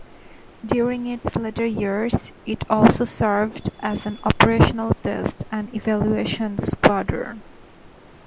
During its later years it also served as an operational test and evaluation squadron.